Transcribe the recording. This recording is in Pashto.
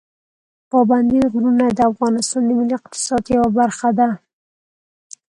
پابندي غرونه د افغانستان د ملي اقتصاد یوه برخه ده.